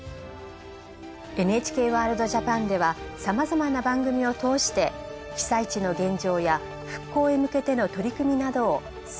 「ＮＨＫワールドＪＡＰＡＮ」ではさまざまな番組を通して被災地の現状や復興へ向けての取り組みなどを世界に伝えてまいります。